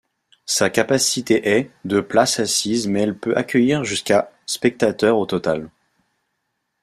Sa capacité est de places assises mais elle peut accueillir jusqu'à spectateurs au total.